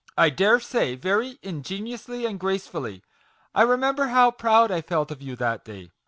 I dare say very ingeniously and gracefully. I remem ber how proud I felt of you that day."